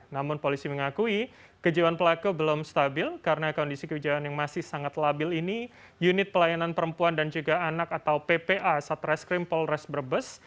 namun polisi mengakui kejiwaan pelaku belum stabil karena kondisi kejiwaan yang masih sangat labil ini unit pelayanan perempuan dan juga anak atau ppa satreskrim polres brebes